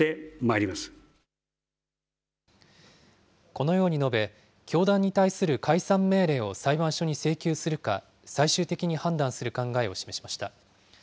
このように述べ、教団に対する解散命令を裁判所に請求するか、最終的に判断する考えを示しました。